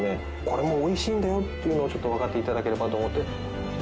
これもおいしいんだよっていうのをちょっとわかって頂ければと思って。